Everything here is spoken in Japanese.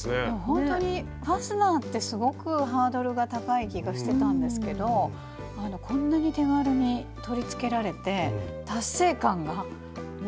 ほんとにファスナーってすごくハードルが高い気がしてたんですけどこんなに手軽に取りつけられて達成感がすごいです。